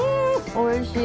おいしい。